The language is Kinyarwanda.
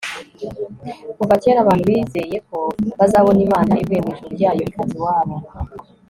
kuva kera abantu bizeye ko bazabona imana ivuye mu ijuru ryayo, ikaza iwabo